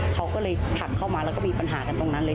เขาก็เลยขับเข้ามาแล้วก็มีปัญหากันตรงนั้นเลย